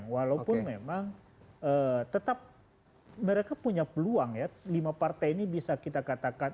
walaupun memang tetap mereka punya peluang ya lima partai ini bisa kita katakan